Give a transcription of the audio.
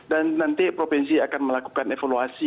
dan nanti provinsi akan melakukan evaluasi